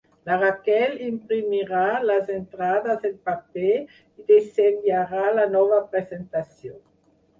La Raquel imprimirà les entrades en paper i dissenyarà la nova presentació.